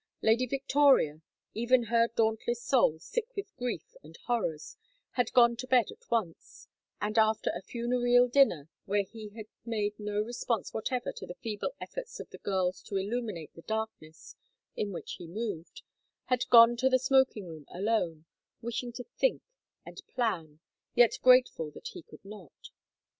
Lady Victoria, even her dauntless soul sick with grief and horrors, had gone to bed at once, and after a funereal dinner, where he had made no response whatever to the feeble efforts of the girls to illuminate the darkness in which he moved, had gone to the smoking room alone, wishing to think and plan, yet grateful that he could not.